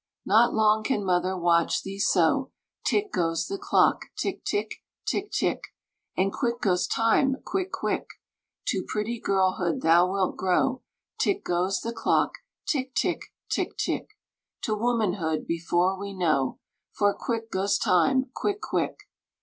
Not long can mother watch thee so Tick goes the clock, tick tick, tick tick; And quick goes time, quick, quick! To pretty girlhood thou wilt grow Tick goes the clock, tick tick, tick tick; To womanhood, before we know, For quick goes time, quick, quick!